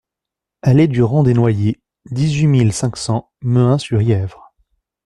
Allée du Rang des Noyers, dix-huit mille cinq cents Mehun-sur-Yèvre